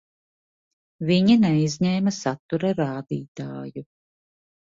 Viņi neizņēma satura rādītāju.